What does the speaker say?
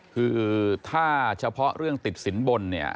คือถ้าเฉพาะเรื่องติดสินบนเนี่ย